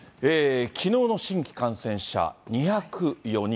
きのうの新規感染者、２０４